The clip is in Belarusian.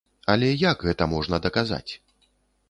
Але як гэта можна даказаць?